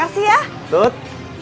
siap tidih jalan yuk